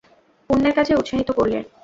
পূণ্যের কাজে উৎসাহিত করলে।